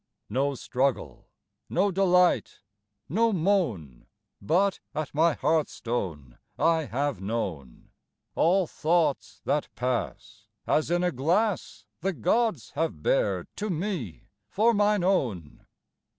No struggle, no delight, no moan, But at my hearthstone I have known! All thoughts that pass, as in a glass The gods have bared to me for mine own.